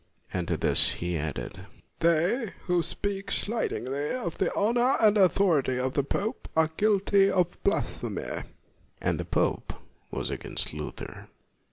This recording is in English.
1 And to this he added, " They who speak slightingly of the honor and authority of the pope are guilty of blasphemy." LUTHER 13 And the pope was against Luther.